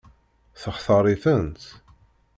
Textaṛ-itent?